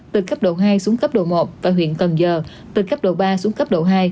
từ cấp độ hai xuống cấp độ một và huyện cần giờ từ cấp độ ba xuống cấp độ hai